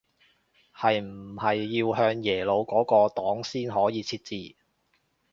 係唔係要向耶魯嗰個檔先可以設置